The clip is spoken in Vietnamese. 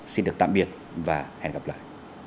xin được tạm biệt và hẹn gặp lại